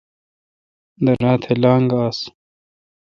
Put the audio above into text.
دراتھ لاگ آس۔